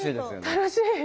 楽しい。